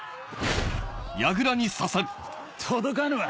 届かぬわ！